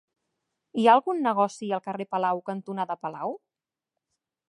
Hi ha algun negoci al carrer Palau cantonada Palau?